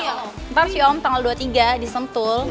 bentar si om tanggal dua puluh tiga di semptul